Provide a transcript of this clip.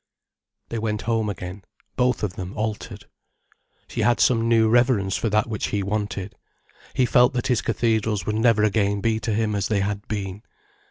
They went home again, both of them altered. She had some new reverence for that which he wanted, he felt that his cathedrals would never again be to him as they had been.